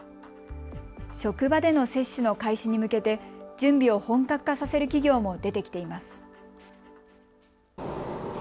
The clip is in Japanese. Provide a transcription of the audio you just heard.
職場での接種の開始に向けて準備を本格化させる企業も出てきています。